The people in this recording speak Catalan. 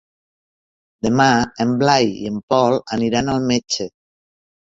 Demà en Blai i en Pol aniran al metge.